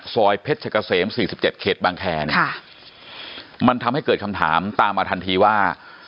ซอยเพชรเกษม๔๗เขตบางแคร์เนี่ยมันทำให้เกิดคำถามตามมาทันทีว่า